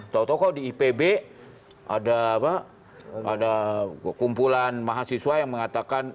tau tau kalau di ipb ada kumpulan mahasiswa yang mengatakan